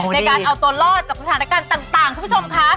ในการเอาตัวรอดจากสถานการณ์ต่างคุณผู้ชมค่ะ